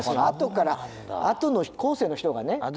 あとからあとの後世の人がね。